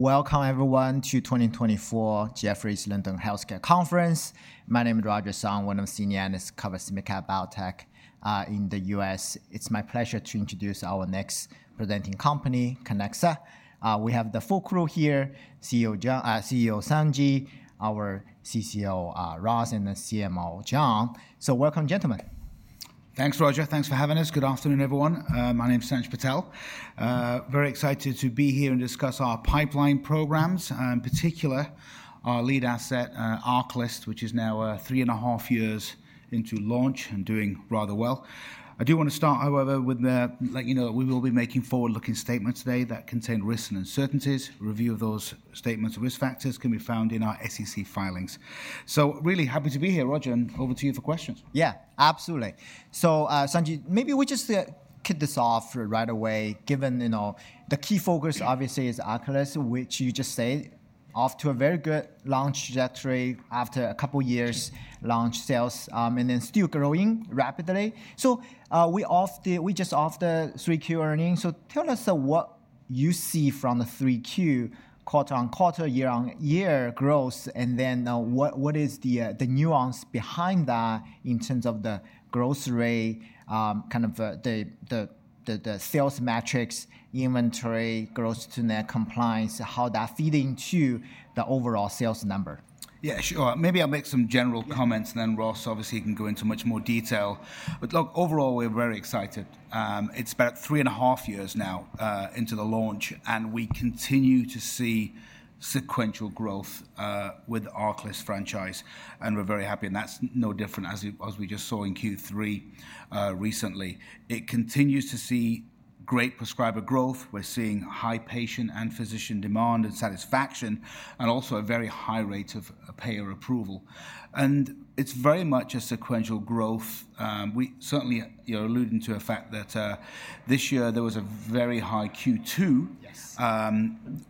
Welcome, everyone, to 2024 Jefferies London Healthcare Conference. My name is Roger Song, one of the Senior Analysts covering Kiniksa in the U.S. It's my pleasure to introduce our next presenting company, Kiniksa. We have the full crew here: CEO Sanj, our CCO Ross, and CMO John. So welcome, gentlemen. Thanks, Roger. Thanks for having us. Good afternoon, everyone. My name's Sanj Patel. Very excited to be here and discuss our pipeline programs, and in particular, our lead asset, ARCALYST, which is now three and a half years into launch and doing rather well. I do want to start, however, with letting you know that we will be making forward-looking statements today that contain risks and uncertainties. A review of those statements and risk factors can be found in our SEC filings. So really happy to be here, Roger, and over to you for questions. Yeah, absolutely. So, Sanj, maybe we just kick this off right away, given the key focus, obviously, is ARCALYST, which you just said, off to a very good launch trajectory after a couple of years, launch sales, and then still growing rapidly. So, just off the 3Q earnings. So tell us what you see from the 3Q quarter-on-quarter, year-on-year growth, and then what is the nuance behind that in terms of the growth rate, kind of the sales metrics, inventory gross-to-net compliance, how that feeds into the overall sales number. Yeah, sure. Maybe I'll make some general comments, and then Ross obviously can go into much more detail. But look, overall, we're very excited. It's about three and a half years now into the launch, and we continue to see sequential growth with the ARCALYST franchise. And we're very happy. And that's no different, as we just saw in Q3 recently. It continues to see great prescriber growth. We're seeing high patient and physician demand and satisfaction, and also a very high rate of payer approval. And it's very much a sequential growth. We certainly are alluding to the fact that this year there was a very high Q2,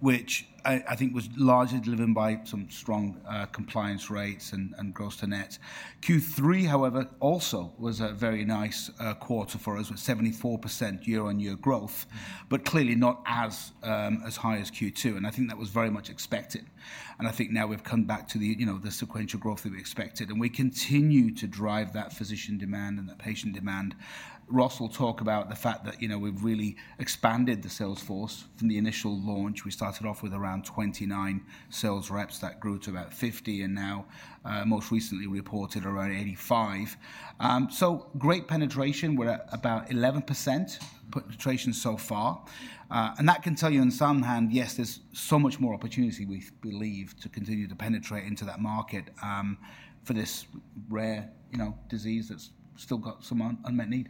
which I think was largely driven by some strong compliance rates and gross-to-net. Q3, however, also was a very nice quarter for us with 74% year-on-year growth, but clearly not as high as Q2. I think that was very much expected. I think now we've come back to the sequential growth that we expected. We continue to drive that physician demand and that patient demand. Ross will talk about the fact that we've really expanded the sales force from the initial launch. We started off with around 29 sales reps that grew to about 50, and now, most recently, reported around 85. So great penetration. We're at about 11% penetration so far. That can tell you on the one hand, yes, there's so much more opportunity, we believe, to continue to penetrate into that market for this rare disease that's still got some unmet need.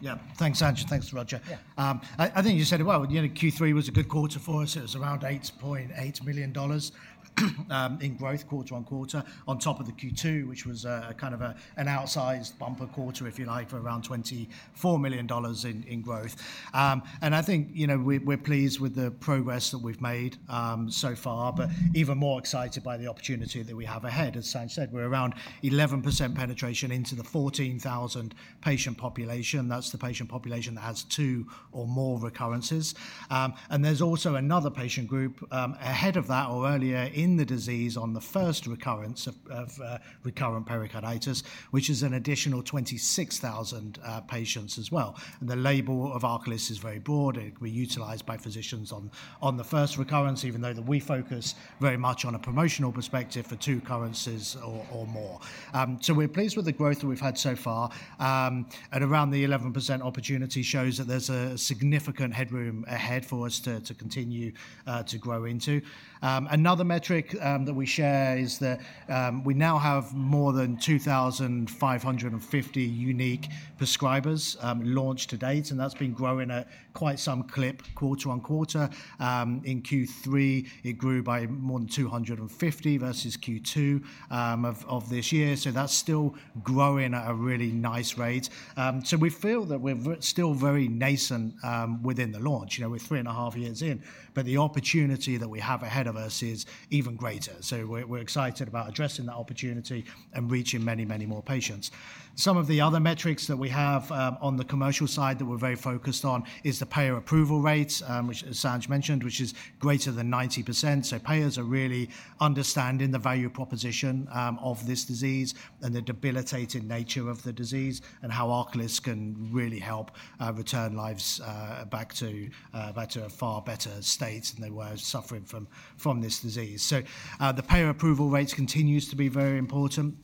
Yeah, thanks, Sanj, thanks, Roger. I think you said it well. Q3 was a good quarter for us. It was around $8.8 million in growth quarter-on-quarter, on top of the Q2, which was kind of an outsized bumper quarter, if you like, for around $24 million in growth, and I think we're pleased with the progress that we've made so far, but even more excited by the opportunity that we have ahead. As Sanj said, we're around 11% penetration into the 14,000 patient population. That's the patient population that has two or more recurrences, and there's also another patient group ahead of that, or earlier in the disease, on the first recurrence of recurrent pericarditis, which is an additional 26,000 patients as well, and the label of ARCALYST is very broad. We're utilized by physicians on the first recurrence, even though we focus very much on a promotional perspective for two occurrences or more. So we're pleased with the growth that we've had so far. And around the 11% opportunity shows that there's a significant headroom ahead for us to continue to grow into. Another metric that we share is that we now have more than 2,550 unique prescribers launched to date, and that's been growing at quite some clip quarter-on-quarter. In Q3, it grew by more than 250 versus Q2 of this year. So that's still growing at a really nice rate. So we feel that we're still very nascent within the launch. We're three and a half years in, but the opportunity that we have ahead of us is even greater. So we're excited about addressing that opportunity and reaching many, many more patients. Some of the other metrics that we have on the commercial side that we're very focused on is the payer approval rates, which Sanj mentioned, which is greater than 90%. So payers are really understanding the value proposition of this disease and the debilitating nature of the disease and how ARCALYST can really help return lives back to a far better state than they were suffering from this disease. So the payer approval rates continue to be very important.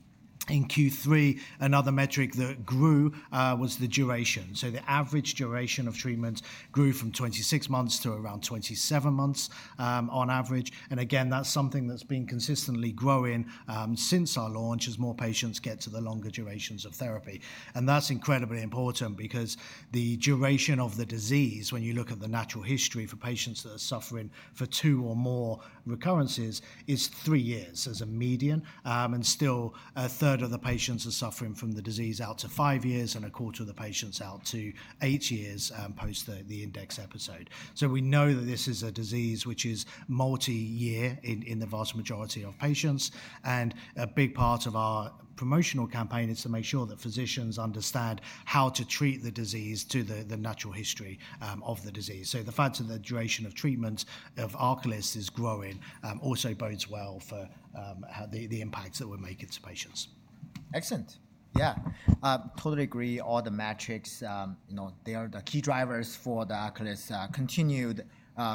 In Q3, another metric that grew was the duration. So the average duration of treatment grew from 26 months to around 27 months on average. And again, that's something that's been consistently growing since our launch as more patients get to the longer durations of therapy. And that's incredibly important because the duration of the disease, when you look at the natural history for patients that are suffering for two or more recurrences, is three years as a median. And still, a third of the patients are suffering from the disease out to five years, and a quarter of the patients out to eight years post the index episode. So we know that this is a disease which is multi-year in the vast majority of patients. And a big part of our promotional campaign is to make sure that physicians understand how to treat the disease to the natural history of the disease. So the fact that the duration of treatment of ARCALYST is growing also bodes well for the impacts that we're making to patients. Excellent. Yeah, totally agree. All the metrics, they are the key drivers for the ARCALYST continued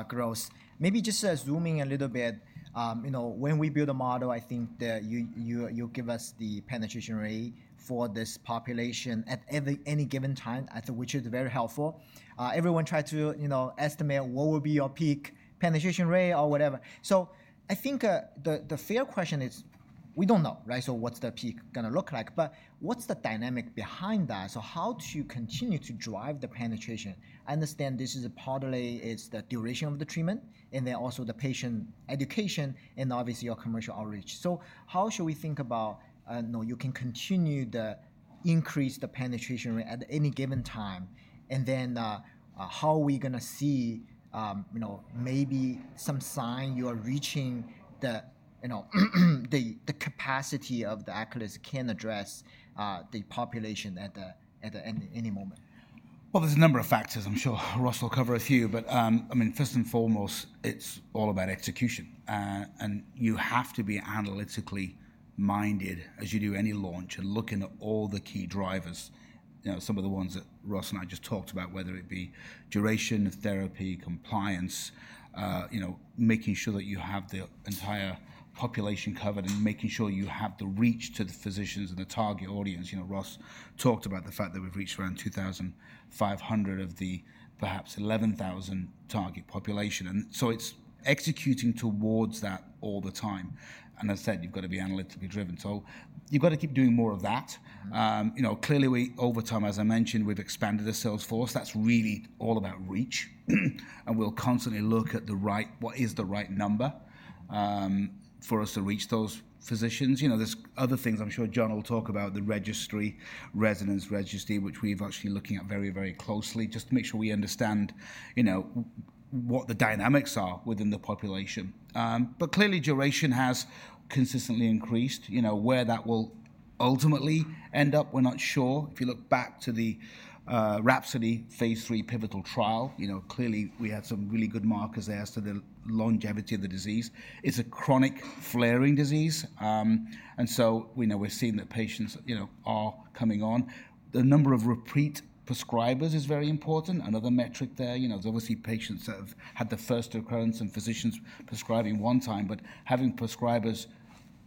growth. Maybe just zooming a little bit, when we build a model, I think that you'll give us the penetration rate for this population at any given time, I think, which is very helpful. Everyone tries to estimate what will be your peak penetration rate or whatever. So I think the fair question is, we don't know, right? So what's the peak going to look like? But what's the dynamic behind that? So how do you continue to drive the penetration? I understand this is partly the duration of the treatment, and then also the patient education, and obviously your commercial outreach. So how should we think about you can continue to increase the penetration rate at any given time? How are we going to see maybe some sign you are reaching the capacity of the ARCALYST can address the population at any moment? There's a number of factors, I'm sure. Ross will cover a few. I mean, first and foremost, it's all about execution. You have to be analytically minded as you do any launch and looking at all the key drivers, some of the ones that Ross and I just talked about, whether it be duration of therapy, compliance, making sure that you have the entire population covered, and making sure you have the reach to the physicians and the target audience. Ross talked about the fact that we've reached around 2,500 of the perhaps 11,000 target population. It's executing towards that all the time. As I said, you've got to be analytically driven. You've got to keep doing more of that. Clearly, over time, as I mentioned, we've expanded the sales force. That's really all about reach. We'll constantly look at the right, what is the right number for us to reach those physicians. There's other things. I'm sure John will talk about the RESONANCE registry, which we've actually looking at very, very closely just to make sure we understand what the dynamics are within the population. But clearly, duration has consistently increased. Where that will ultimately end up, we're not sure. If you look back to the RHAPSODY phase III pivotal trial, clearly, we had some really good markers there as to the longevity of the disease. It's a chronic flaring disease. And so we're seeing that patients are coming on. The number of repeat prescribers is very important. Another metric there, there's obviously patients that have had the first occurrence and physicians prescribing one time, but having prescribers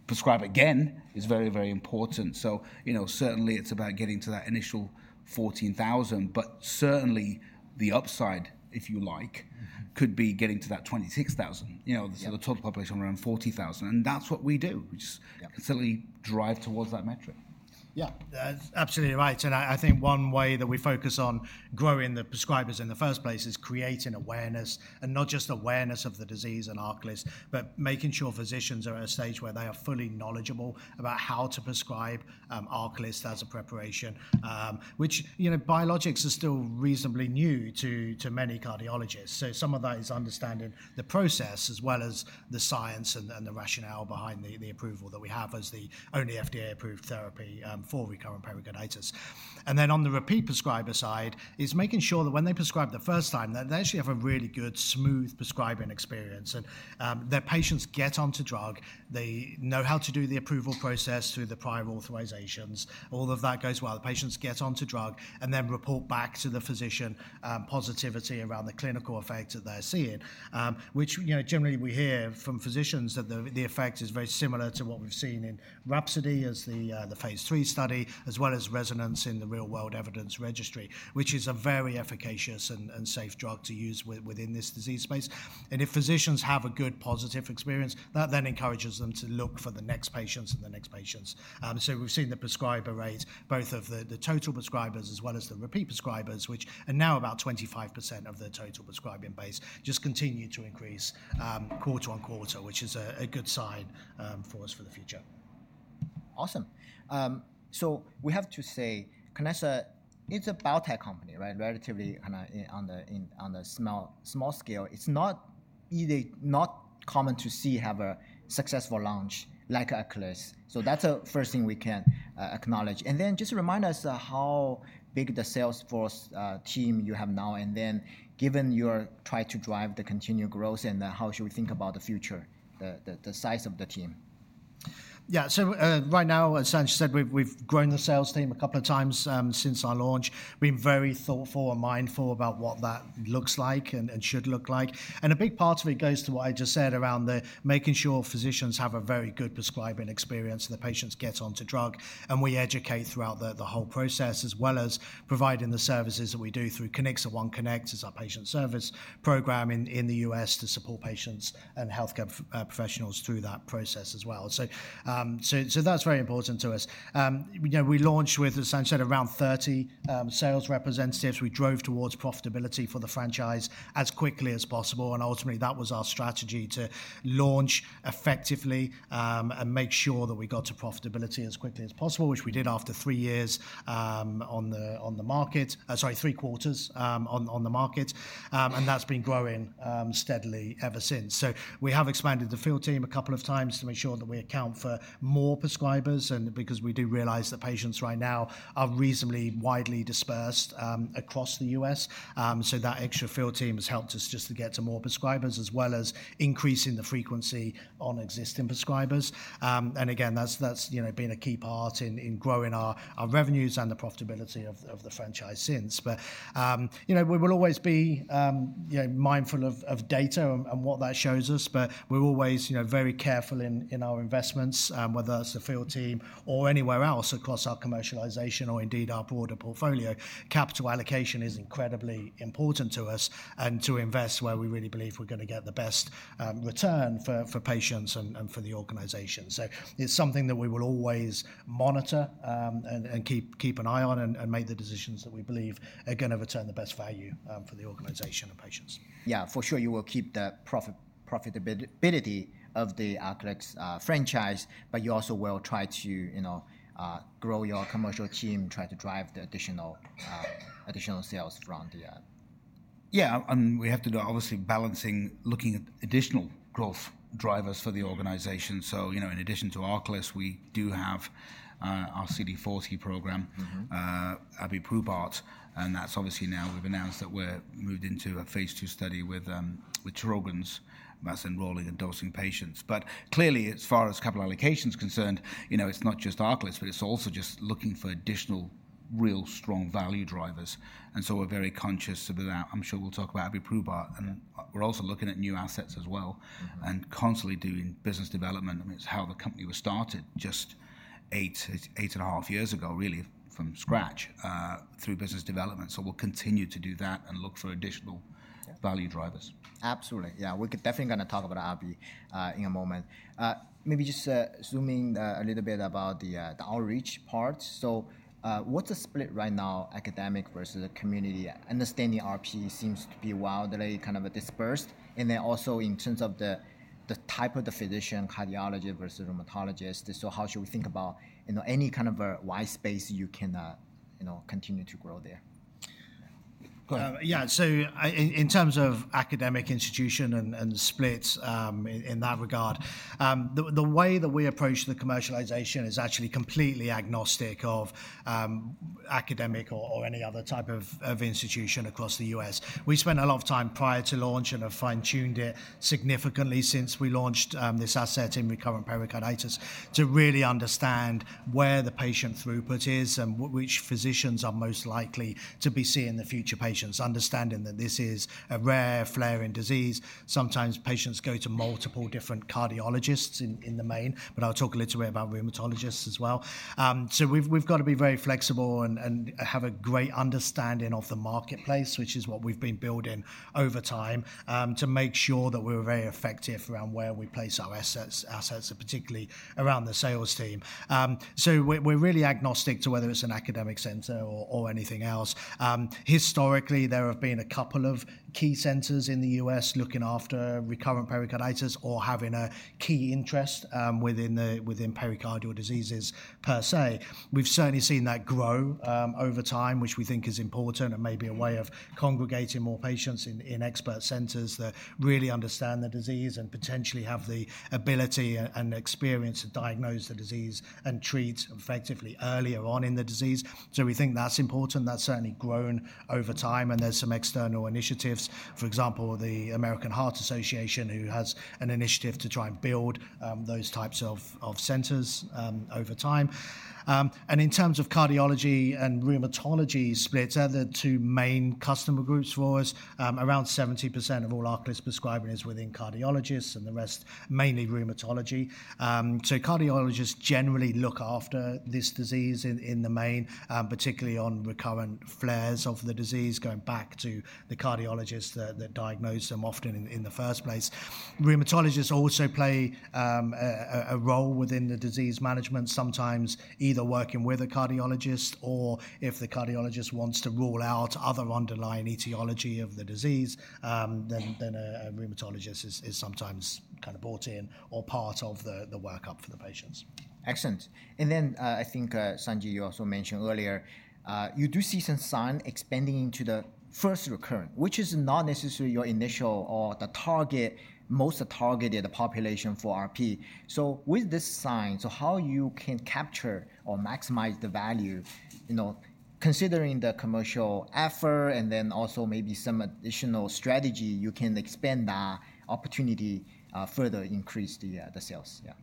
prescribe again is very, very important. So certainly, it's about getting to that initial 14,000, but certainly the upside, if you like, could be getting to that 26,000. So the total population around 40,000. And that's what we do. We just constantly drive towards that metric. Yeah, that's absolutely right. And I think one way that we focus on growing the prescribers in the first place is creating awareness, and not just awareness of the disease and ARCALYST, but making sure physicians are at a stage where they are fully knowledgeable about how to prescribe ARCALYST as a preparation, which biologics are still reasonably new to many cardiologists. So some of that is understanding the process as well as the science and the rationale behind the approval that we have as the only FDA-approved therapy for recurrent pericarditis. And then on the repeat prescriber side, it's making sure that when they prescribe the first time, that they actually have a really good, smooth prescribing experience. And their patients get onto drug. They know how to do the approval process through the prior authorizations. All of that goes well. The patients get onto drug and then report back to the physician positivity around the clinical effect that they're seeing, which generally we hear from physicians that the effect is very similar to what we've seen in RHAPSODY as the phase III study, as well as RESONANCE in the real-world evidence registry, which is a very efficacious and safe drug to use within this disease space, and if physicians have a good positive experience, that then encourages them to look for the next patients and the next patients, so we've seen the prescriber rates, both of the total prescribers as well as the repeat prescribers, which are now about 25% of the total prescribing base, just continue to increase quarter-on-quarter, which is a good sign for us for the future. Awesome. So we have to say, Kiniksa, it's a biotech company, right? Relatively on the small scale. It's not common to see have a successful launch like ARCALYST. So that's the first thing we can acknowledge. And then just remind us how big the sales force team you have now. And then given you're trying to drive the continued growth, and how should we think about the future, the size of the team? Yeah, so right now, as Sanj said, we've grown the sales team a couple of times since our launch. We've been very thoughtful and mindful about what that looks like and should look like. And a big part of it goes to what I just said around making sure physicians have a very good prescribing experience and the patients get onto drug. And we educate throughout the whole process, as well as providing the services that we do through Kiniksa OneConnect. Kiniksa OneConnect is our patient service program in the U.S. to support patients and healthcare professionals through that process as well. So that's very important to us. We launched with, as Sanj said, around 30 sales representatives. We drove towards profitability for the franchise as quickly as possible. Ultimately, that was our strategy to launch effectively and make sure that we got to profitability as quickly as possible, which we did after three years on the market, sorry, three quarters on the market. That's been growing steadily ever since. We have expanded the field team a couple of times to make sure that we account for more prescribers, and because we do realize that patients right now are reasonably widely dispersed across the U.S. That extra field team has helped us just to get to more prescribers, as well as increasing the frequency on existing prescribers. Again, that's been a key part in growing our revenues and the profitability of the franchise since. But we will always be mindful of data and what that shows us, but we're always very careful in our investments, whether that's the field team or anywhere else across our commercialization or indeed our broader portfolio. Capital allocation is incredibly important to us and to invest where we really believe we're going to get the best return for patients and for the organization. So it's something that we will always monitor and keep an eye on and make the decisions that we believe are going to return the best value for the organization and patients. Yeah, for sure, you will keep the profitability of the ARCALYST franchise, but you also will try to grow your commercial team, try to drive the additional sales from the. Yeah, and we have to do obviously balancing looking at additional growth drivers for the organization. So in addition to ARCALYST, we do have our CD40 program, abiprubart. And that's obviously now we've announced that we're moved into a phase II study with Sjögren's now enrolling dosing patients. But clearly, as far as capital allocation is concerned, it's not just ARCALYST, but it's also just looking for additional real strong value drivers. And so we're very conscious of that. I'm sure we'll talk about abiprubart. And we're also looking at new assets as well and constantly doing business development. I mean, it's how the company was started just eight and a half years ago, really from scratch through business development. So we'll continue to do that and look for additional value drivers. Absolutely. Yeah, we're definitely going to talk about Abby in a moment. Maybe just zooming a little bit about the outreach part. So what's the split right now, academic versus community? Understanding RP seems to be wildly kind of dispersed. And then also in terms of the type of the physician, cardiologist versus rheumatologist. So how should we think about any kind of a white space you can continue to grow there? Yeah, so in terms of academic institution and splits in that regard, the way that we approach the commercialization is actually completely agnostic of academic or any other type of institution across the U.S. We spent a lot of time prior to launch and have fine-tuned it significantly since we launched this asset in recurrent pericarditis to really understand where the patient throughput is and which physicians are most likely to be seeing the future patients, understanding that this is a rare flaring disease. Sometimes patients go to multiple different cardiologists in the main, but I'll talk a little bit about rheumatologists as well. So we've got to be very flexible and have a great understanding of the marketplace, which is what we've been building over time to make sure that we're very effective around where we place our assets, particularly around the sales team. So we're really agnostic to whether it's an academic center or anything else. Historically, there have been a couple of key centers in the U.S. looking after recurrent pericarditis or having a key interest within pericardial diseases per se. We've certainly seen that grow over time, which we think is important and maybe a way of congregating more patients in expert centers that really understand the disease and potentially have the ability and experience to diagnose the disease and treat effectively earlier on in the disease. So we think that's important. That's certainly grown over time. And there's some external initiatives, for example, the American Heart Association, who has an initiative to try and build those types of centers over time. And in terms of cardiology and rheumatology splits, they're the two main customer groups for us. Around 70% of all ARCALYST prescribing is within cardiologists and the rest mainly rheumatology. So cardiologists generally look after this disease in the main, particularly on recurrent flares of the disease going back to the cardiologist that diagnosed them often in the first place. Rheumatologists also play a role within the disease management, sometimes either working with a cardiologist or if the cardiologist wants to rule out other underlying etiology of the disease, then a rheumatologist is sometimes kind of brought in or part of the workup for the patients. Excellent. And then I think, Sanj, you also mentioned earlier, you do see some sign expanding into the first recurrent, which is not necessarily your initial or the target, most targeted population for RP. So with this sign, so how you can capture or maximize the value, considering the commercial effort and then also maybe some additional strategy, you can expand that opportunity, further increase the sales. Yeah.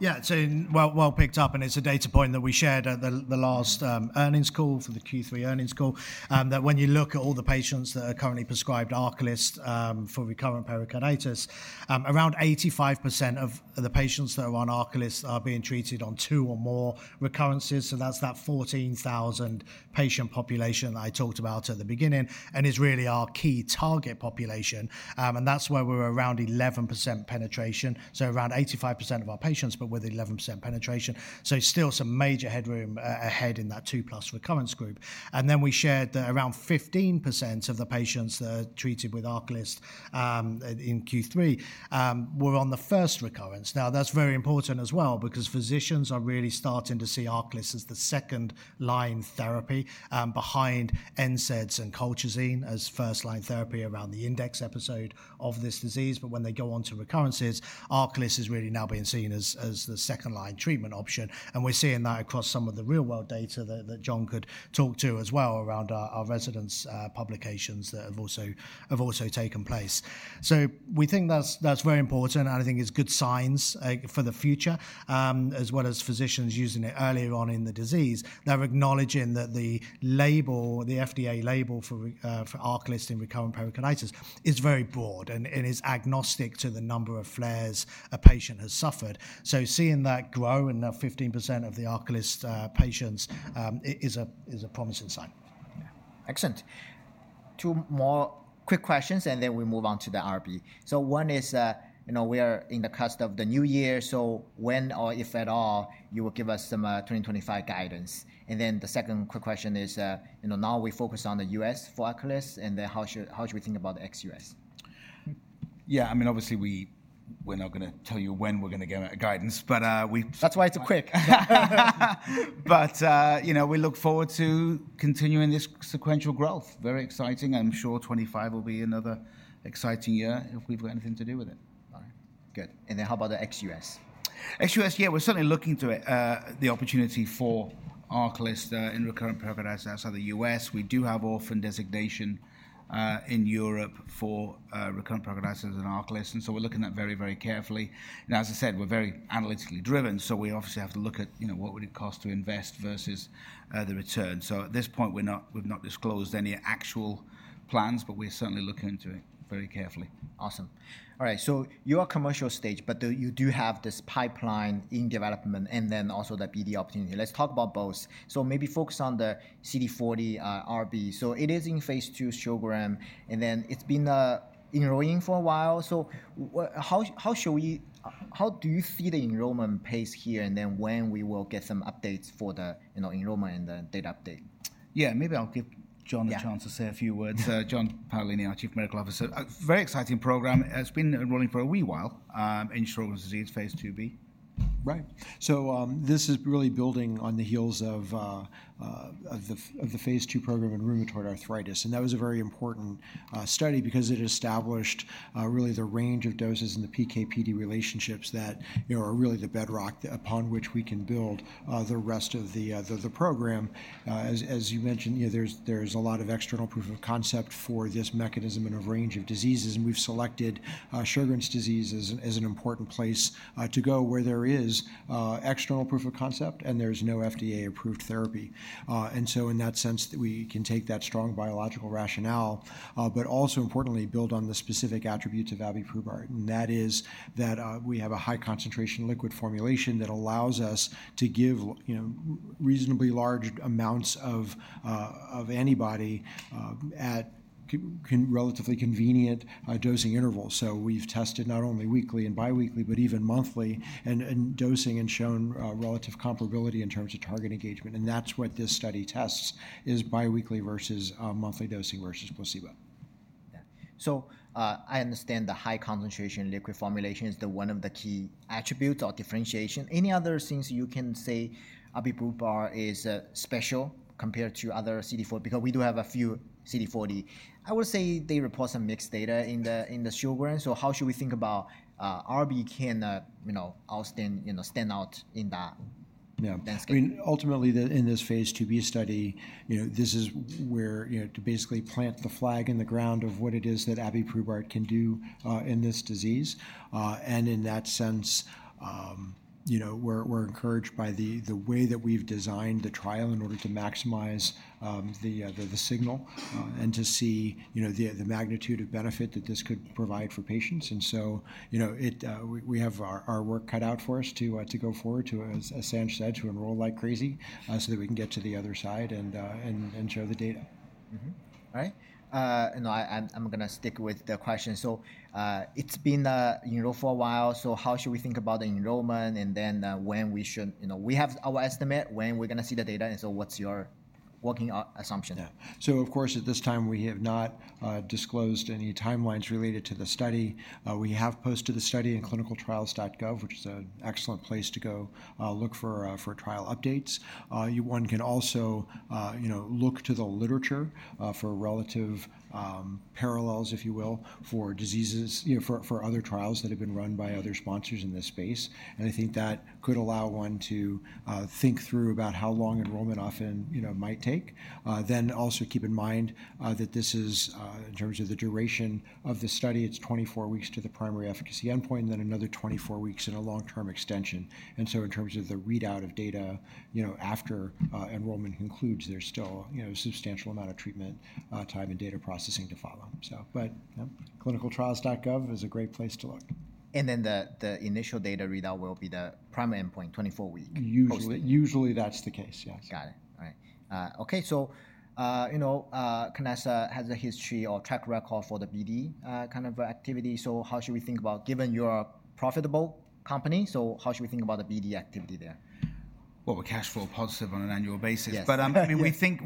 Yeah, so well picked up. And it's a data point that we shared at the last earnings call for the Q3 earnings call, that when you look at all the patients that are currently prescribed ARCALYST for recurrent pericarditis, around 85% of the patients that are on ARCALYST are being treated on two or more recurrences. So that's that 14,000 patient population that I talked about at the beginning and is really our key target population. And that's where we're around 11% penetration, so around 85% of our patients, but with 11% penetration. So still some major headroom ahead in that two plus recurrence group. And then we shared that around 15% of the patients that are treated with ARCALYST in Q3 were on the first recurrence. Now, that's very important as well because physicians are really starting to see ARCALYST as the second line therapy behind NSAIDs and colchicine as first line therapy around the index episode of this disease. But when they go on to recurrences, ARCALYST is really now being seen as the second line treatment option. And we're seeing that across some of the real-world data that John could talk to as well around our RESONANCE publications that have also taken place. So we think that's very important. And I think it's good signs for the future, as well as physicians using it earlier on in the disease. They're acknowledging that the label, the FDA label for ARCALYST in recurrent pericarditis is very broad and is agnostic to the number of flares a patient has suffered. So seeing that grow in 15% of the ARCALYST patients is a promising sign. Excellent. Two more quick questions, and then we move on to the RB. So one is we are on the cusp of the new year. So when or if at all you will give us some 2025 guidance. And then the second quick question is now we focus on the U.S. for ARCALYST, and then how should we think about the ex-U.S.? Yeah, I mean, obviously, we're not going to tell you when we're going to give out guidance, but we. That's why it's a quick. But we look forward to continuing this sequential growth. Very exciting. I'm sure 2025 will be another exciting year if we've got anything to do with it. All right. Good. And then how about the ex-US? Ex-US, yeah, we're certainly looking to it, the opportunity for ARCALYST in recurrent pericarditis outside the U.S. We do have orphan designation in Europe for recurrent pericarditis and ARCALYST. And so we're looking at that very, very carefully. And as I said, we're very analytically driven. So we obviously have to look at what would it cost to invest versus the return. So at this point, we've not disclosed any actual plans, but we're certainly looking into it very carefully. Awesome. All right. So you are commercial stage, but you do have this pipeline in development and then also the BD opportunity. Let's talk about both. So maybe focus on the CD40 RB. So it is in phase II, Sjögren's, and then it's been enrolling for a while. So how do you see the enrollment pace here and then when we will get some updates for the enrollment and the data update? Yeah, maybe I'll give John the chance to say a few words. John Paolini, our Chief Medical Officer. Very exciting program. It's been enrolling for a wee while in Sjögren's disease, phase IIb. Right. So this is really building on the heels of the phase II program in rheumatoid arthritis. And that was a very important study because it established really the range of doses and the PK/PD relationships that are really the bedrock upon which we can build the rest of the program. As you mentioned, there's a lot of external proof of concept for this mechanism in a range of diseases. And we've selected Sjögren's disease as an important place to go where there is external proof of concept and there's no FDA-approved therapy. And so in that sense, we can take that strong biological rationale, but also importantly, build on the specific attributes of abiprubart. And that is that we have a high concentration liquid formulation that allows us to give reasonably large amounts of antibody at relatively convenient dosing intervals. We've tested not only weekly and biweekly, but even monthly dosing and shown relative comparability in terms of target engagement. That's what this study tests is biweekly versus monthly dosing versus placebo. I understand the high concentration liquid formulation is one of the key attributes or differentiation. Any other things you can say abiprubart is special compared to other CD40? Because we do have a few CD40. I would say they report some mixed data in the Sjögren's. How should we think about abiprubart can stand out in that landscape? I mean, ultimately, in this phase IIb study, this is where to basically plant the flag in the ground of what it is that abiprubart can do in this disease. And in that sense, we're encouraged by the way that we've designed the trial in order to maximize the signal and to see the magnitude of benefit that this could provide for patients, and so we have our work cut out for us to go forward, too, as Sanj said, to enroll like crazy so that we can get to the other side and show the data. All right. And I'm going to stick with the question. So it's been a while. So how should we think about the enrollment and then when should we have our estimate when we're going to see the data? And so what's your working assumption? Yeah. So of course, at this time, we have not disclosed any timelines related to the study. We have posted the study in ClinicalTrials.gov, which is an excellent place to go look for trial updates. One can also look to the literature for relative parallels, if you will, for other trials that have been run by other sponsors in this space. And I think that could allow one to think through about how long enrollment often might take. Then also keep in mind that this is, in terms of the duration of the study, it's 24 weeks to the primary efficacy endpoint, and then another 24 weeks in a long-term extension. And so in terms of the readout of data after enrollment concludes, there's still a substantial amount of treatment time and data processing to follow. But ClinicalTrials.gov is a great place to look. And then the initial data readout will be the primary endpoint, 24 weeks. Usually, that's the case. Yes. Got it. All right. Okay. So Kiniksa has a history or track record for the BD kind of activity. So how should we think about, given you're a profitable company, so how should we think about the BD activity there? We're cash flow positive on an annual basis. But I mean, we think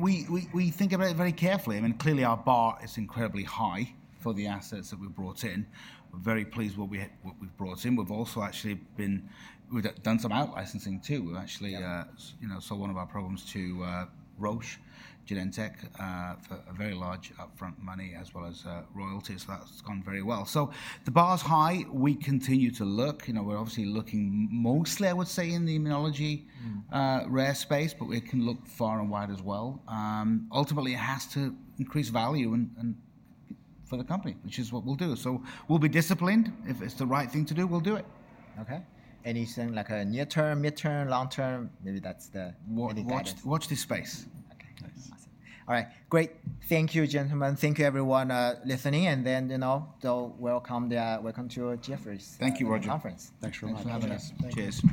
about it very carefully. I mean, clearly, our bar is incredibly high for the assets that we've brought in. We're very pleased with what we've brought in. We've also actually done some outlicensing, too. We've actually sold one of our programs to Roche, Genentech, for a very large upfront money as well as royalties. So that's gone very well. So the bar's high. We continue to look. We're obviously looking mostly, I would say, in the immunology rare space, but we can look far and wide as well. Ultimately, it has to increase value for the company, which is what we'll do. So we'll be disciplined. If it's the right thing to do, we'll do it. Okay. Anything like a near term, mid term, long term? Maybe that's the. Watch the space. Okay. All right. Great. Thank you, gentlemen. Thank you, everyone, listening. And then we'll welcome to Jefferies. Thank you, Roger. Thanks for having us. Cheers.